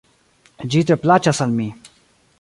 Ĝi tre plaĉas al mi.